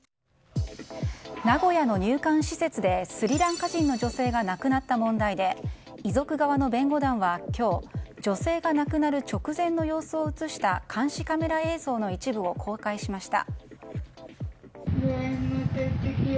名古屋の入管施設でスリランカ人の女性が亡くなった問題で遺族側の弁護団は今日、女性が亡くなる直前の様子を映した監視カメラ映像の一部を公開しました。